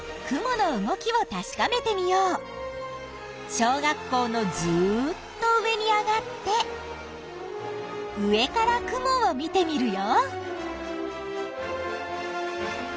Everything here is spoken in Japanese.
小学校のずっと上に上がって上から雲を見てみるよ。